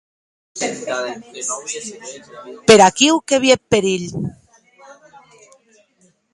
Per aquiu que vie eth perilh.